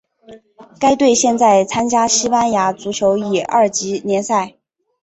该队现在参加西班牙足球乙二级联赛。